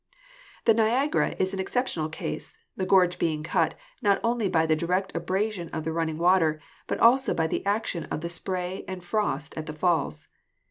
The Niagara is an exceptional case, the gorge being cut, not only by the direct abrasion of the running water, but also by the action of the spray and frost at the falls.